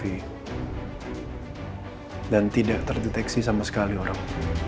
hai dan tidak terdeteksi sama sekali orang